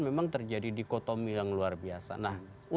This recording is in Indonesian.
memang terjadi dikotomi yang luar biasa